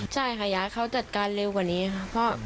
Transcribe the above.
ใช่ค่ะเขาจัดการเร็วกว่านี้ค่ะ